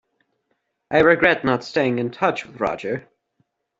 I regret not staying in touch with Roger.